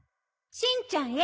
「しんちゃんへ」